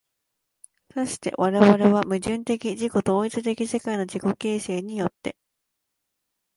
而して我々は矛盾的自己同一的世界の自己形成によって、